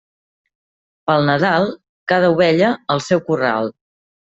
Pel Nadal, cada ovella al seu corral.